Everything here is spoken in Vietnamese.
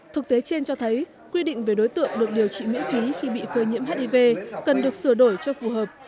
thực tế trên cho thấy quy định về đối tượng được điều trị miễn phí khi bị phơi nhiễm hiv cần được sửa đổi cho phù hợp